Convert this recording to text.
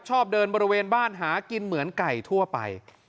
ชอบเดินบริเวณบ้านหากินเหมือนไก่ทั่วไป